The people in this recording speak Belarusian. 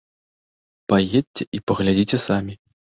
Паедзьце і паглядзіце самі.